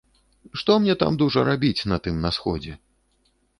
Што мне там дужа рабіць, на тым на сходзе?